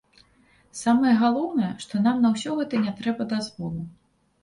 Самае галоўнае, што нам на ўсё гэта не трэба дазволу.